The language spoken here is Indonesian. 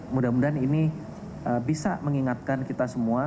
mudah mudahan ini bisa mengingatkan kita semua